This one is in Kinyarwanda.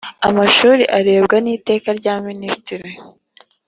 amashuri arebwa ni tekaryaminisitiri